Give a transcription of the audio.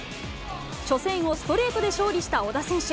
初戦をストレートで勝利した小田選手。